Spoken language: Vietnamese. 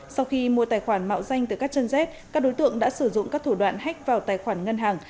sau khi mua tài khoản mạo danh từ các chân dết các đối tượng đã sử dụng các thủ đoạn hách vào tài khoản ngân hàng